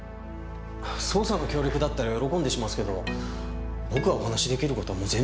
捜査の協力だったら喜んでしますけど僕がお話しできる事はもう全部。